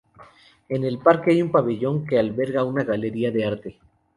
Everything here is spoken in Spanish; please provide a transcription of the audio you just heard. En el parque hay un pabellón que alberga una galería de arte.